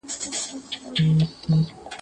• شوم نهر وه په خپل ځان پوري حیران وه -